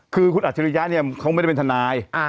คือคุณอัจฉริยะเนี่ยเขาไม่ได้เป็นทนาย